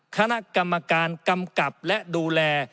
คณะกรรมการกำกับและดูแล